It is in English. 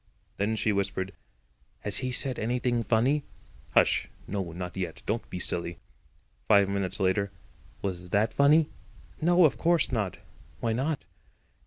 Then she whispered: "Has he said anything funny?" "Hush. No, not yet; don't be silly." Five minutes later: "Was that funny?" "No, of course not." "Why not?"